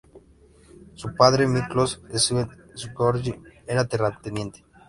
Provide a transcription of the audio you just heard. Su padre, Miklós Szent-Györgyi era terrateniente.